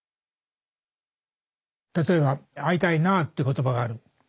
例えば「会いたいなあ」って言葉があるセリフがある。